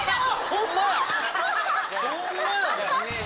ホンマやで！